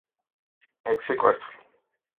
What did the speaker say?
ექვსი კვერცხი.